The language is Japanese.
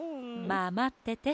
まあまってて。